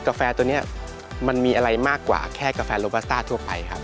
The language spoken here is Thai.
แฟตัวนี้มันมีอะไรมากกว่าแค่กาแฟโลบาซ่าทั่วไปครับ